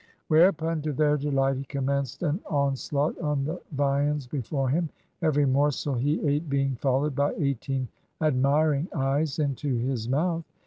Whereupon, to their delight, he commenced an onslaught on the viands before him, every morsel he ate being followed by eighteen admiring eyes into his mouth.